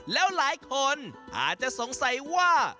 แล้วหลายคนอาจจะสงสัยว่า